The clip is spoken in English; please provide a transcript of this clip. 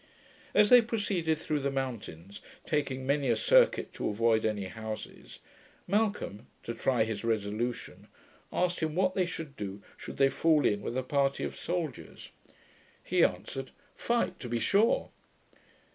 As they proceeded through the mountains, taking many a circuit to avoid any houses, Malcolm, to try his resolution, asked him what they should do, should they fall in with a party of soldiers: he answered. 'Fight to be sure!'